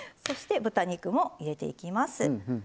そして豚肉も入れていきます。